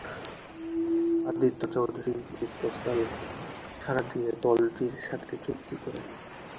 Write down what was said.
আদিত্য চৌধুরী এই প্রস্তাবে সাড়া দিয়ে, দলটির সাথে চুক্তি করেন।